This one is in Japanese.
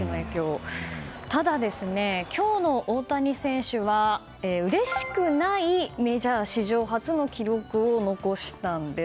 ただ、今日の大谷選手はうれしくないメジャー史上初の記録を残したんです。